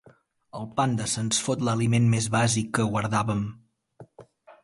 El panda se'ns fot l'aliment més bàsic que guardàvem.